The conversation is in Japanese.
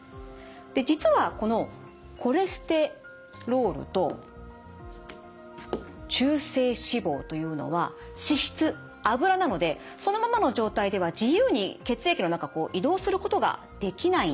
で実はこのコレステロールと中性脂肪というのは脂質脂なのでそのままの状態では自由に血液の中移動することができないんです。